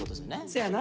せやな。